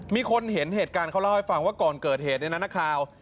มีคนเห็นเหตุการณ์เขาเล่าให้ฟังว่าก่อนเกิดเหตุเนี่ยนะนักข่าว